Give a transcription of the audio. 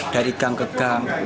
dari gang ke gang